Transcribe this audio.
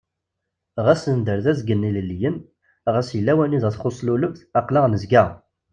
Ɣas nedder d azgen-ilelliyen, ɣas yella wanida txuṣ tlulebt, aql-aɣ nezga!